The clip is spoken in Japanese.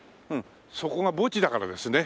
そこが墓地だからですね。